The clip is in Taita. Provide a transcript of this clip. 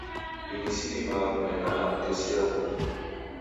Ini sidimagha kunekana wutesia ghungi